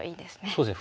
そうですね